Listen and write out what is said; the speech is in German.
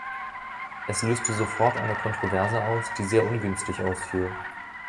Es löste sofort eine Kontroverse aus, die sehr ungünstig ausfiel.